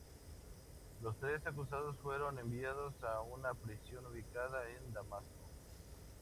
Los tres acusados fueron enviados a una prisión ubicada en Damasco.